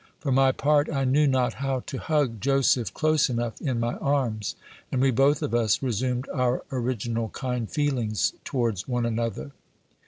For my part, I knew not how to hug Joseph close enough in my arms ; and we both of us resumed our original kind feelings towards one another.